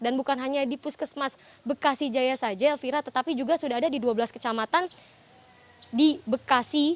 dan bukan hanya di puskesmas bekasi jaya saja elvira tetapi juga sudah ada di dua belas kecamatan di bekasi